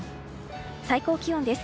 最高気温です。